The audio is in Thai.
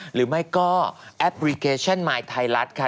หรือไม่ก็แอปพลิเคชันมายไทยรัฐค่ะ